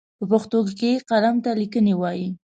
په پښتو کې قلم ته ليکنی وايي.